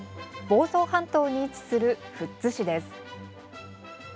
房総半島に位置する富津市です。